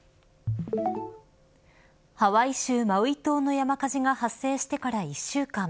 ハワイ州マウイ島の山火事が発生してから１週間。